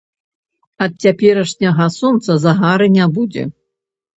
Ад цяперашняга сонца загары не будзе.